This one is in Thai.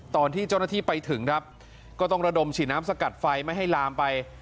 ตอนที่เจ้าหน้าที่ไปถึงครับก็ต้องระดมฉีดน้ำสกัดไฟไม่ให้ลามไป